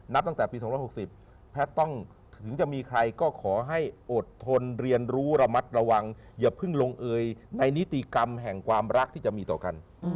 ตั้งแต่ปี๒๖๐แพทย์ต้องถึงจะมีใครก็ขอให้อดทนเรียนรู้ระมัดระวังอย่าเพิ่งลงเอยในนิติกรรมแห่งความรักที่จะมีต่อกัน